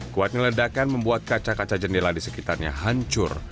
kuatnya ledakan membuat kaca kaca jendela di sekitarnya hancur